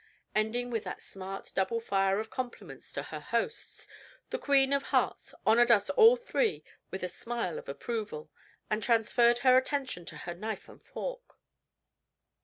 Ending with that smart double fire of compliments to her hosts, the Queen of Hearts honored us all three with a smile of approval, and transferred her attention to her knife and fork.